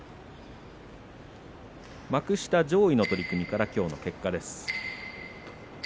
幕下上位の取組からきょうの結果です。